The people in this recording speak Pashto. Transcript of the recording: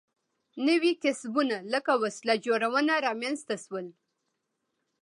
نوي کسبونه لکه وسله جوړونه رامنځته شول.